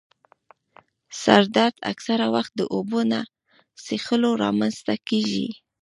سر درد اکثره وخت د اوبو نه څیښلو رامنځته کېږي.